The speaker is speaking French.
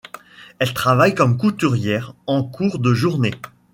Elle travaille comme couturière en cours de journée.